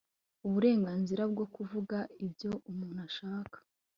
uburenganzira bwo kuvuga icyo umuntu ashaka